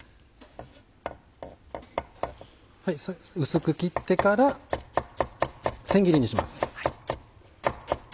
薄く切ってから千切りにします。